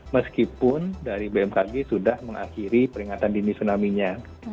meskipun dari bmkg sudah mengakhiri peringatan dini tsunami nya